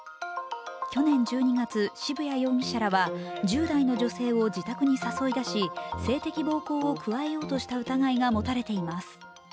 去年１２月、渋谷容疑者らは１０代の女性を自宅に誘い出し、性的暴行を加えようとした疑いが持たれています。